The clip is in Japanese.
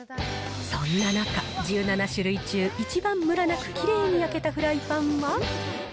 そんな中、１７種類中一番むらなくきれいに焼けたフライパンは。